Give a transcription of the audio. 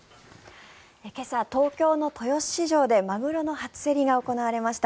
今朝、東京の豊洲市場でマグロの初競りが行われました。